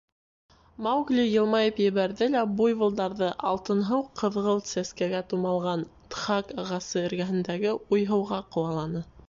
Маугли йылмайып ебәрҙе лә буйволдарҙы алтынһыу-ҡыҙғылт сәскәгә тумалған дхак ағасы эргәһендәге уйһыуға ҡыуаланы.